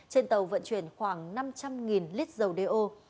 trên tàu vận chuyển khoảng năm trăm linh lít dầu đeo